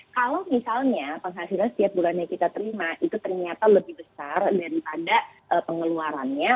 kalau misalnya penghasilan setiap bulannya kita terima itu ternyata lebih besar daripada pengeluarannya